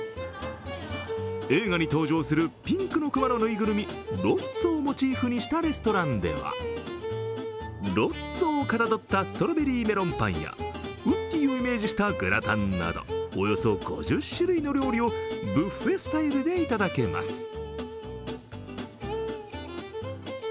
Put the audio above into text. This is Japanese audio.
映画に登場するピンクの熊のぬいぐるみ、ロッツォをモチーフにしたレストランではロッツォをかたどったストロベリーメロンパンやウッディをイメージしたグラタンなどおよそ５０種類の料理をブッフェスタイルでいただけます。